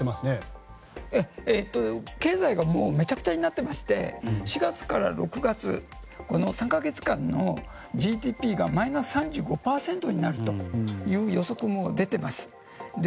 もう経済はめちゃくちゃになっていまして４月から６月の３か月間のＧＤＰがマイナス３５％になるという予測も出ています。